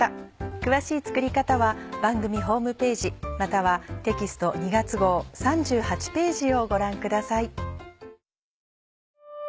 詳しい作り方は番組ホームページまたはテキスト２月号３８ページをご覧ください。